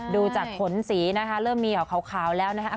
ดูจากขนสีนะคะเริ่มมีขาวแล้วนะคะ